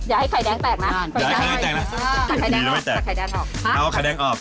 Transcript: ได้ออกไข่แดงล่ะขายให้ดีแล้วไม่แตกถามว่าไข่แดงออก